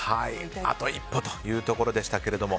あと一歩というところでしたけど。